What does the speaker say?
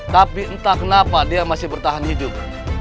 tapi entah kenapa dia masih bertahan hidup